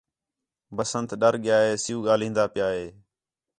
بسنت ڈر ڳِیا ہِے سِیُو ڳاہلین٘دا پِیا ہِے